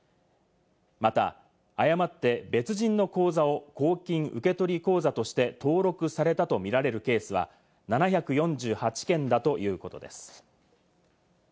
また、誤って別人の口座を公金受取口座として登録されたとみられるケースは７４８件だということです。